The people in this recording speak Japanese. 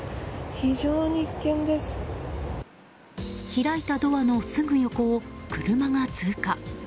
開いたドアのすぐ横を車が通過。